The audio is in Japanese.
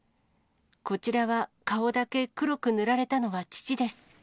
こちらは、顔だけ黒く塗られたのは父です。